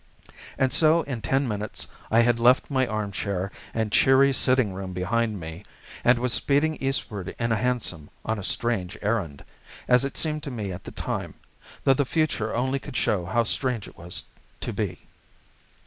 And so in ten minutes I had left my armchair and cheery sitting room behind me, and was speeding eastward in a hansom on a strange errand, as it seemed to me at the time, though the future only could show how strange it was to be.